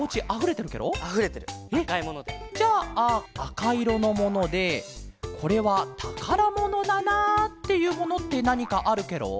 かいろのものでこれはたからものだなっていうものってなにかあるケロ？